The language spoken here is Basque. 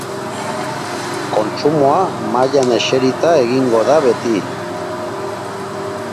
Kontsumoa mahaian eserita egingo da beti.